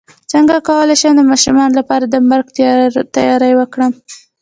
څنګه کولی شم د ماشومانو لپاره د مرګ تیاری وکړم